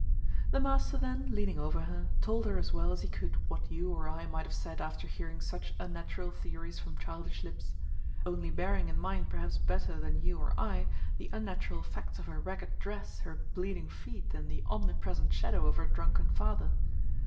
The master then, leaning over her, told her as well as he could what you or I might have said after hearing such unnatural theories from childish lips; only bearing in mind perhaps better than you or I the unnatural facts of her ragged dress, her bleeding feet, and the omnipresent shadow of her drunken father.